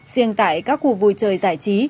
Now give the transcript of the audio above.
riêng tại các cuộc vui chơi giải trí